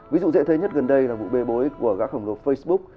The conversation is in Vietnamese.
ví dụ dễ thấy nhất gần đây là vụ bê bối của gác khổng lồ facebook